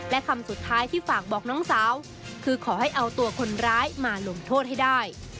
และคำสุดท้ายที่ฝากบอกน้องสาวคือขอให้เอาตัวคนร้ายมาลงโทษให้ได้